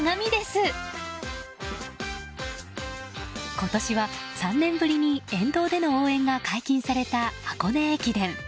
今年は３年ぶりに沿道での応援が解禁された箱根駅伝。